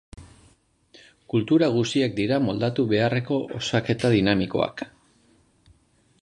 Kultura guztiak dira moldatu beharreko osaketa dinamikoak.